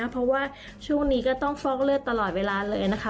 เพราะว่าช่วงนี้ก็ต้องฟอกเลือดตลอดเวลาเลยนะคะ